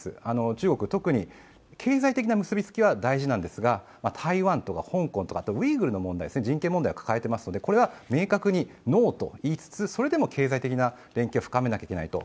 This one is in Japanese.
中国、特に経済的な結びつきは大事なんですが、台湾とか香港とウイグルの問題、人権問題を抱えていますので、これは明確にノーと言いつつそれでも経済的な連携を深めないといけないと。